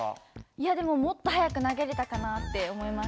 いやでももっと速く投げれたかなって思います。